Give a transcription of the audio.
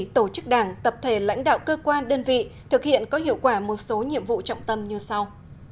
tổ chức đảng tập thể lãnh đạo cơ quan đơn vị thực hiện có hiệu quả một số nhiệm vụ trọng tâm như sau